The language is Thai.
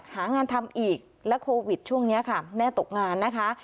หางานทำอีกและโควิดช่วงนี้ค่ะแม่ตกงานนะคะ